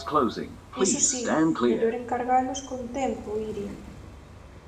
Iso si, mellor encargalos con tempo, Iria.